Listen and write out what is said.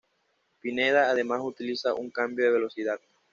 Pineda además utiliza un cambio de velocidad.